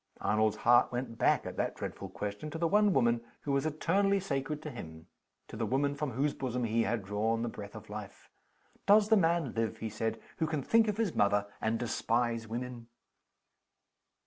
Arnold's heart went back, at that dreadful question, to the one woman who was eternally sacred to him to the woman from whose bosom he had drawn the breath of life. "Does the man live," he said, "who can think of his mother and despise women?"